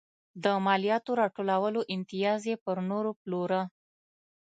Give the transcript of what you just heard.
د مالیاتو راټولولو امتیاز یې پر نورو پلوره.